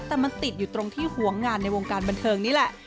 แต่มันติดอยู่ตรงที่หัวงานในวงการบันเทิงนี่แหละ